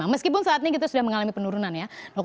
meskipun saat ini kita sudah mengalami penurunan ya